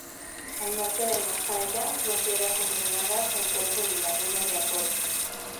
Al norte de Masaya, frontera con Granada, se encuentra la laguna de Apoyo.